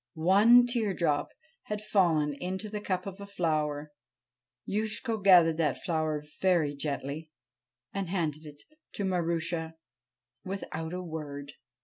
One tear drop had fallen into the cup of a flower. Youshko gathered that flower very gently and handed it to Marusha without a word.